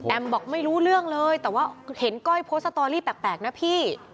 บอกไม่รู้เรื่องเลยแต่ว่าเห็นก้อยโพสต์สตอรี่แปลกนะพี่